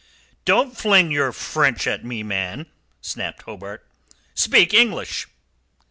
"Don't fling your French at me, man," snapped Hobart. "Speak English!"